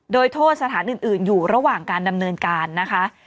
โดยโทษสถานอื่นอยู่ระหว่างการดำเนินการนะคะ